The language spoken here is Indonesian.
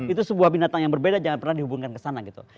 itu sebuah binatang yang berbeda jangan pernah dihubungkan ke sana gitu